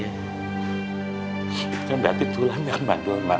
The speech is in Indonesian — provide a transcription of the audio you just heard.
itu kan dapet tulang yang mandul mak